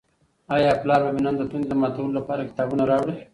آیا پلار به مې نن زما د تندې د ماتولو لپاره کتابونه راوړي؟